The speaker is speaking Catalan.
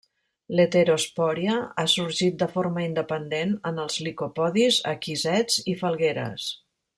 L'heterospòria ha sorgit de forma independent en els licopodis, equisets i falgueres.